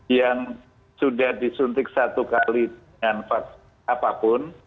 yang sudah disuntik satu kali dengan vaksin apapun